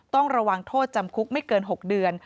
ต้องระวังโทษจำคุกไม่เกิน๖เดือน